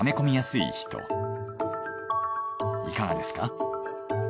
いかがですか？